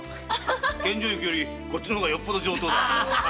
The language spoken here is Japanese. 献上雪よりこっちの方がよっぽど上等だ！